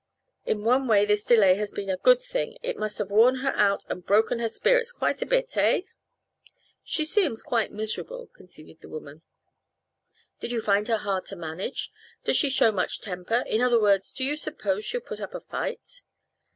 In one way this delay has been a good thing. It must have worn her out and broken her spirits quite a bit; eh?" "She seems very miserable," conceded the woman. "Do you find her hard to manage? Does she show much temper? In other words, do you suppose she'll put up a fight?"